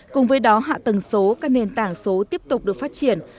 cùng với đó hạ tầng số các nền tảng số tiếp tục được phát triển